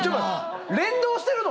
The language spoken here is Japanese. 連動してるの？